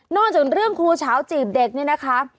จากเรื่องครูเฉาจีบเด็กเนี่ยนะคะ